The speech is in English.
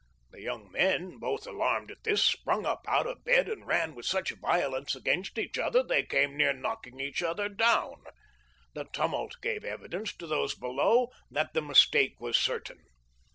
The young men, both alarmed at this, sprang up out of bed and ran with such violence against each other they came near knocking each other down.7 The tumult gave evidence to those below that the mistake was certain.